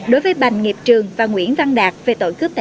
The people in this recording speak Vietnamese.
đối với bành nghiệp trường và nguyễn văn đạt về tội cướp tại trường